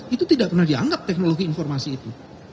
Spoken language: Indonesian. itu tidak pernah dianggap teknologi informasi itu